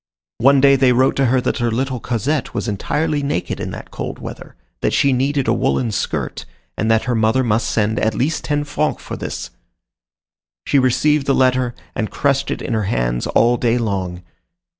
One day they wrote to her that her little Cosette was entirely naked in that cold weather, that she needed a woollen skirt, and that her mother must send at least ten francs for this. She received the letter, and crushed it in her hands all day long.